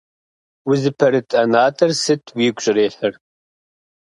Узыпэрыт ӀэнатӀэр сыт уигу щӀрихьыр?